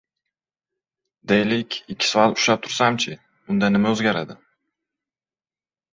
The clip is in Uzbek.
– Deylik, ikki soat ushlab tursam-chi, unda nima oʻzgaradi?